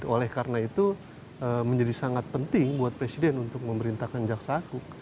oleh karena itu menjadi sangat penting buat presiden untuk memerintahkan jaksa agung